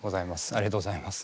ありがとうございます。